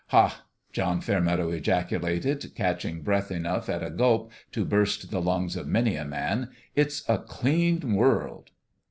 "Ha!" John Fairmeadow ejaculated, catching breath enough at a gulp to burst the lungs of many a man ;" it's a clean world."